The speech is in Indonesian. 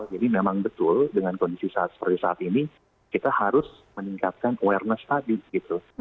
memang betul dengan kondisi saat seperti saat ini kita harus meningkatkan awareness tadi gitu